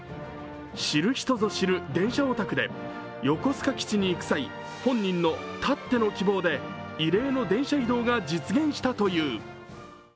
知る人ぞ知る電車オタクで横須賀基地に行く際、本人のたっての希望で異例の電車移動が実現したという。